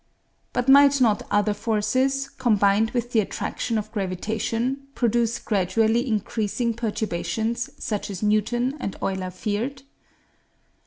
But might not other forces, combined with the attraction of gravitation, produce gradually increasing perturbations such as Newton and Euler feared?